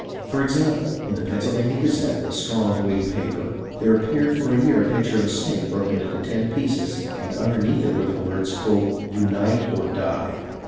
For example, in the Pennsylvania Gazette, a strong Whig paper, there appeared for a year the picture of a snake broken into ten pieces, and underneath it were the words, "Unite or Die."